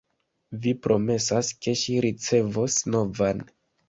Vi promesas, ke ŝi ricevos novan.